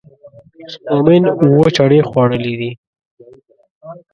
مومن اووه چړې خوړلې دي.